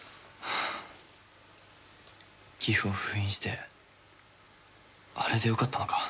ギフを封印してあれでよかったのか？